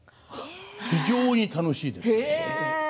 非常に楽しいです。